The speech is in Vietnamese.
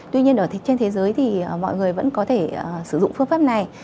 tuy nhiên ở trên thế giới thì mọi người vẫn có thể sử dụng phương pháp này